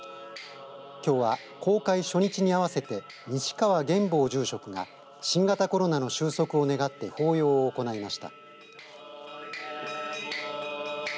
きょうは公開初日に合わせて西川玄房住職が新型コロナの終息を願って法要を行いました。